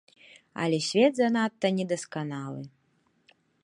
Але свет занадта недасканалы.